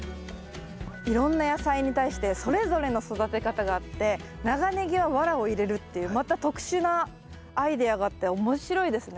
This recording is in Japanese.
いろんな野菜に対してそれぞれの育て方があって長ネギはワラを入れるっていうまた特殊なアイデアがあって面白いですね。